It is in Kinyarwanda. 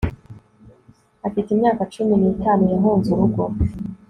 Afite imyaka cumi nitatu yahunze urugo